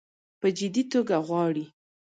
په جدي توګه غواړي.